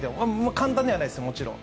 簡単ではないです、もちろん。